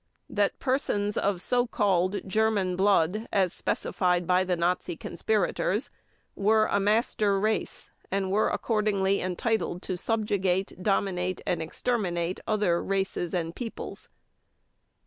That persons of so called "German blood" (as specified by the Nazi conspirators) were a "master race" and were accordingly entitled to subjugate, dominate, or exterminate other "races" and peoples; 2.